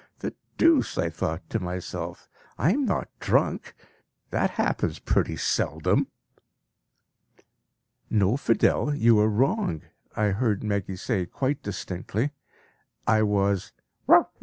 The deuce! I thought to myself, "I am not drunk? That happens pretty seldom." "No, Fidel, you are wrong," I heard Meggy say quite distinctly. "I was bow wow!